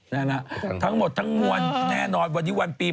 แล้วทุกคนเห็นไหม